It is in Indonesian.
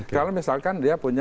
kalau misalkan dia punya